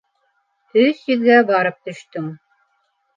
Өс йөҙгә барып төштөң.